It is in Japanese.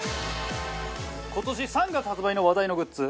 今年３月発売の話題のグッズ